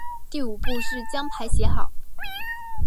第五步是将牌写好。